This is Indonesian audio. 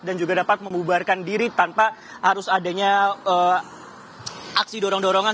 dan juga dapat membubarkan diri tanpa harus adanya aksi dorong dorongan